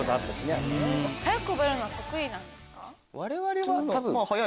早く覚えるのは得意なんですか？